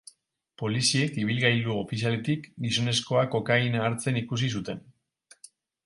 Poliziek ibilgailu ofizialetik gizonezkoa kokaina hartzen ikusi zuten.